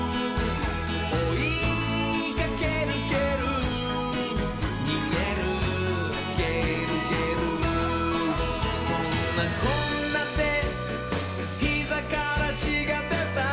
「おいかけるけるにげるげるげる」「そんなこんなでひざからちがでた」